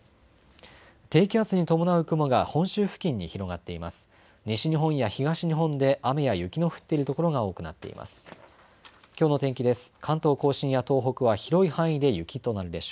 低気圧に伴う雲が本州付近に広がっています。